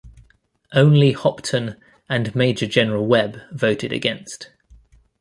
Only Hopton and Major-General Webb voted against.